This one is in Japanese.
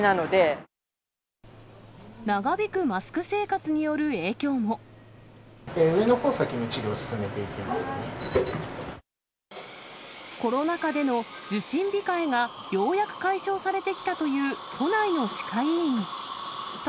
長引くマスク生活による影響上のほう、コロナ禍での受診控えが、ようやく解消されてきたという都内の歯科医院。